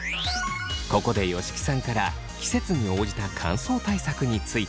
ここで吉木さんから季節に応じた乾燥対策について。